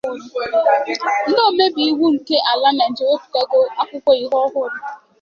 Ndị omebe iwu nke ala Nigeria eweputego akwụkwọ iwu ọhụrụ